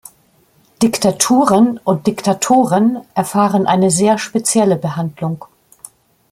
Diktaturen und Diktatoren erfahren eine sehr spezielle Behandlung.